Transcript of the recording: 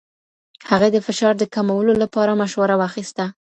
هغې د فشار د کمولو لپاره مشوره واخیسته.